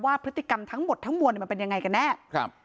ว่าพฤติกรรมทั้งหมดทั้งบวนเป็นยังไงเลยน่ะ